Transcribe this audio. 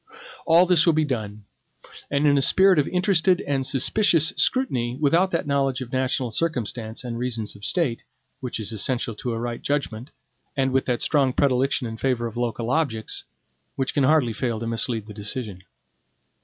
All this will be done; and in a spirit of interested and suspicious scrutiny, without that knowledge of national circumstances and reasons of state, which is essential to a right judgment, and with that strong predilection in favor of local objects, which can hardly fail to mislead the decision.